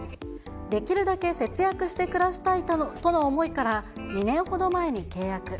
できるだけ節約して暮らしたいとの思いから、２年ほど前に契約。